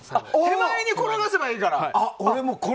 手前に転がせばいいから。